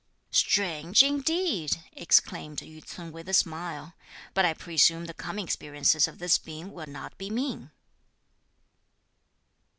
"Strange indeed!" exclaimed Yü ts'un with a smile; "but I presume the coming experiences of this being will not be mean."